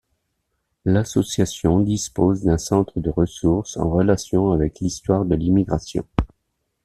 L'association dispose d'un centre de ressources en relation avec l'histoire de l'immigration.